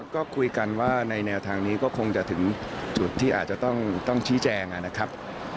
ก็คุยกันว่าในแนวทางนี้ก็คงจะถึงจุดที่อาจจะต้องชี้แจงนะครับ